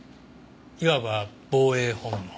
いわば防衛本能。